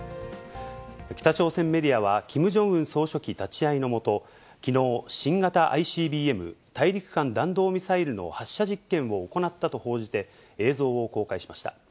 北朝鮮メディアは、キム・ジョンウン総書記立ち会いのもと、きのう、新型ＩＣＢＭ・大陸間弾道ミサイルの発射実験を行ったと報じて、映像を公開しました。